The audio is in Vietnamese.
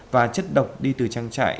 và chất độc đi từ trang trại